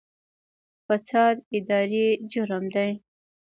فساد اداري جرم دی